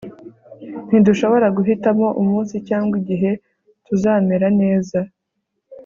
ntidushobora guhitamo umunsi cyangwa igihe tuzamera neza